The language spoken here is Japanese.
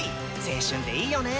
青春っていいよね。